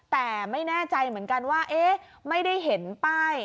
แต่ไม่แน่ใจเหมือนกันว่าเอ๊ะไม่ได้เห็นป้าย